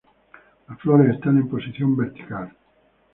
Las flores están en posición vertical.